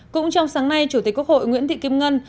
cũng trong sáng nay chủ tịch quốc hội nguyễn thị kim ngân